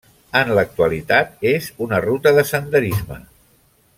En l'actualitat és una ruta de senderisme.